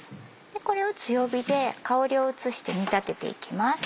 これを強火で香りを移して煮立てていきます。